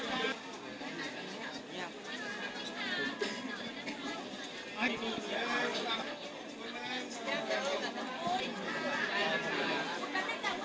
ต่อไม่อำนาจกลัว